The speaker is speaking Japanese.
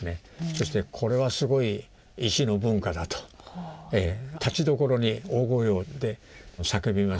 そして「これはすごい石の文化だ」とたちどころに大声で叫びまして。